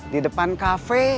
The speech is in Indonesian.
di depan kafe